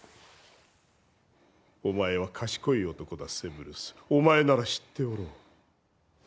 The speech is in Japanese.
∈お前は賢い男だセブルスお前なら知っておろう